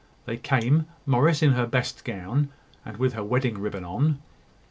They came, Morris in her best gown, and with her wedding ribbon on.